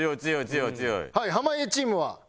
はい濱家チームは？